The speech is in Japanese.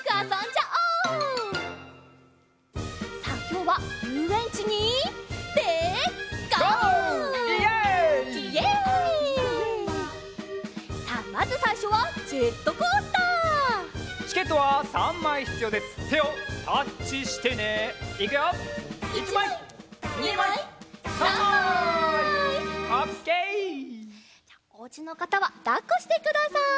じゃあおうちのかたはだっこしてください。